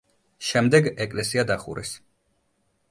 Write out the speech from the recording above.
შემდეგ ეკლესია დახურეს.